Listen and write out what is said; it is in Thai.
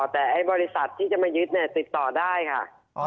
แต่ไอ้บริษัทที่จะมายึดเนี่ยติดต่อได้ค่ะ